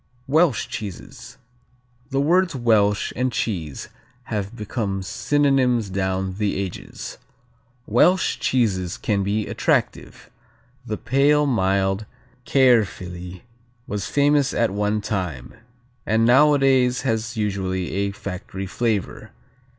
Welsh cheeses The words Welsh and cheese have become synonyms down the ages. Welsh "cheeses can be attractive: the pale, mild Caerphilly was famous at one time, and nowadays has usually a factory flavor.